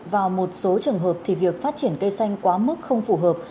vào một số trường hợp thì việc phát triển cây xanh quá mức không phù hợp